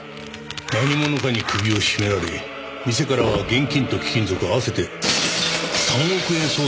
何者かに首を絞められ店からは現金と貴金属合わせて３億円相当が盗まれた。